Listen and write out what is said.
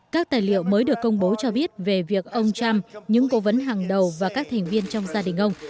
các tài liệu mới được công bố cho biết về việc ông trump những cố vấn hàng đầu và các thành viên trong gia đình ông